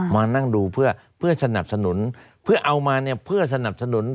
มานั่งดูเพื่อเพื่อสนับสนุนเพื่อเอามาเนี่ยเพื่อสนับสนุน